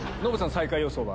最下位予想は？